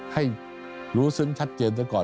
ให้รู้ซึ้งชัดเจนซะก่อน